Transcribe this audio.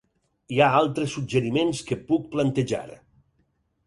Hi ha altres suggeriments que puc plantejar.